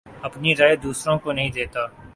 اپنے رائے دوسروں کے نہیں دیتا